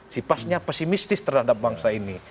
sipasnya pesimistis terhadap bangsa ini